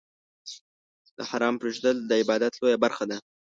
د حرامو پرېښودل، د عبادت لویه برخه ده.